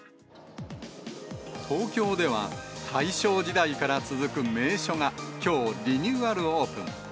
東京では大正時代から続く名所が、きょう、リニューアルオープン。